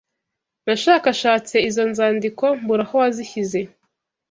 Nashakashatse izo nzandiko mbura aho wazishyize